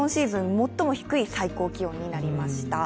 最も低い最高気温になりました。